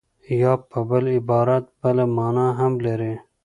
یا په بل عبارت بله مانا هم لري